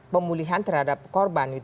pemulihan terhadap korban